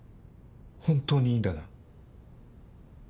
本当にいいんだな？